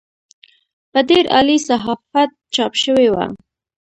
په ډېر عالي صحافت چاپ شوې وه.